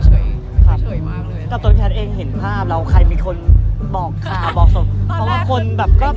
เพราะตูนแพนเองเห็นภาพเราว่าใครมีคนบอกค่ะบอกสม